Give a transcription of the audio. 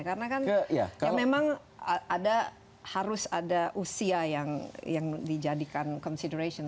karena kan memang harus ada usia yang dijadikan consideration